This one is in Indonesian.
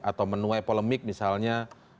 atau menuai polemik misalnya